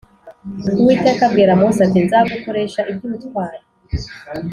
Uwiteka abwira mose ati nzagukoresha ibyubutwari